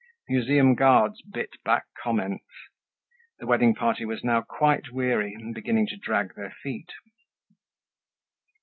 Museum guards bit back comments. The wedding party was now quite weary and beginning to drag their feet.